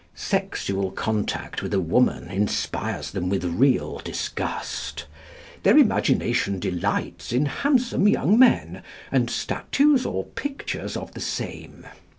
Sexual contact with a woman inspires them with real disgust. Their imagination delights in handsome young men, and statues or pictures of the same.